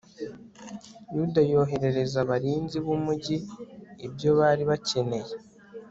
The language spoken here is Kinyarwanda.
yuda yoherereza abarinzi b'umugi ibyo bari bakeneye